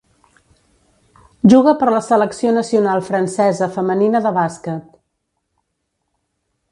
Juga per la selecció nacional francesa femenina de bàsquet.